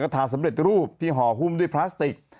ที่ห่อหุ้มด้วยพลาสติก